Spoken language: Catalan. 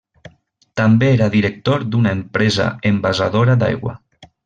També era director d'una empresa envasadora d'aigua.